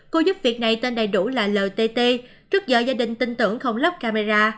cô giúp việc này tên đầy đủ là ltt trước giờ gia đình tin tưởng không lắp camera